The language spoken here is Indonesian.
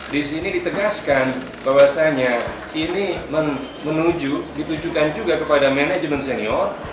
disini ditegaskan bahwasanya ini menuju ditujukan juga kepada manajemen senior